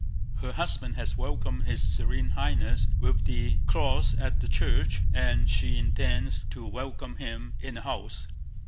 "Her husband has welcomed his Serene Highness with the cross at the church, and she intends to welcome him in the house....